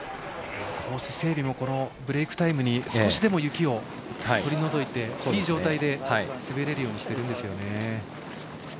コース整備もブレークタイムに少しでも雪を取り除いていい状態で滑れるようにしているんですね。